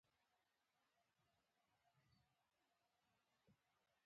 ښځه د قربانۍ او صبر نمونه ده.